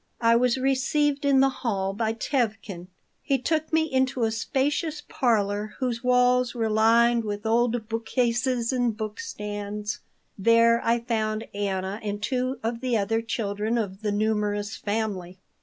I was received in the hall by Tevkin. He took me into a spacious parlor whose walls were lined with old book cases and book stands. There I found Anna and two of the other children of the numerous family.